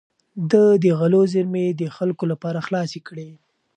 ده د غلو زېرمې د خلکو لپاره خلاصې کړې.